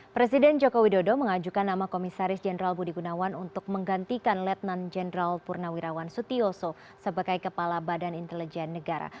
presiden joko widodo mengajukan nama komisaris jenderal budi gunawan untuk menggantikan letnan jenderal purnawirawan sutioso sebagai kepala badan intelijen negara